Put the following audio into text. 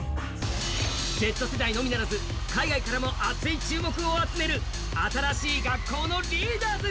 Ｚ世代のみならず海外からも熱い注目を集める新しい学校のリーダーズ。